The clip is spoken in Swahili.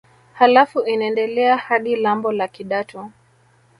Halafu inaendelea hadi lambo la Kidatu